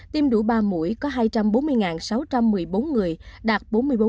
tiêm đủ ba mũi có hai trăm bốn mươi sáu trăm một mươi bốn người đạt bốn mươi bốn